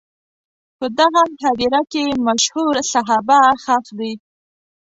په دغه هدیره کې مشهور صحابه ښخ دي.